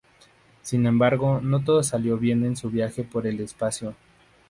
Sin embargo no todo salió bien en su viaje por el espacio.